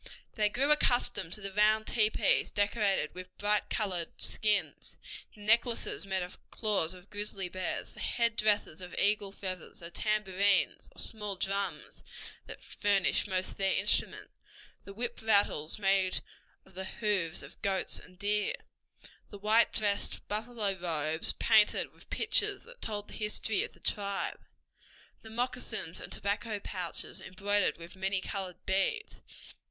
They grew accustomed to the round tepees decorated with bright colored skins, the necklaces made of claws of grizzly bears, the head dresses of eagle feathers, the tambourines, or small drums that furnished most of their music, the whip rattles made of the hoofs of goats and deer, the white dressed buffalo robes painted with pictures that told the history of the tribe, the moccasins and tobacco pouches embroidered with many colored beads.